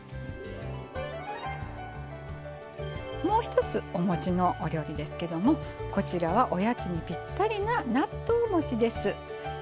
もう一つおもちのお料理ですけどもこちらはおやつにぴったりな納豆もちです。